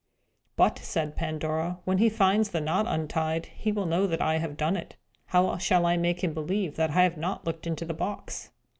"But," said Pandora, "when he finds the knot untied, he will know that I have done it. How shall I make him believe that I have not looked into the box?"